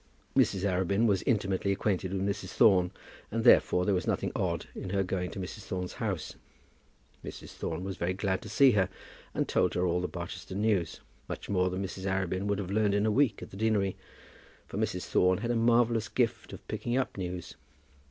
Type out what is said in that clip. Mrs. Arabin was intimately acquainted with Mrs. Thorne, and therefore there was nothing odd in her going to Mrs. Thorne's house. Mrs. Thorne was very glad to see her, and told her all the Barsetshire news, much more than Mrs. Arabin would have learned in a week at the deanery; for Mrs. Thorne had a marvellous gift of picking up news.